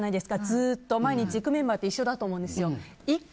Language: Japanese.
ずっと毎日行くメンバーって一緒だと思うんですよ。